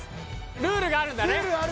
ルールがあるんですね